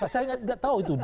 saya gak tahu itu